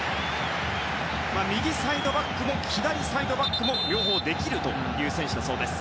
右サイドバックも左サイドバックも両方できる選手です。